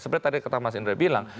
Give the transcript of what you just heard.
seperti tadi kata mas indra bilang